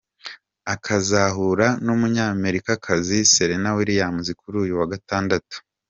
Akazahura n'umunyamerikakazi Serena Williams kuri uyu wa gatandatu.